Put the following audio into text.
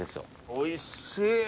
おいしい！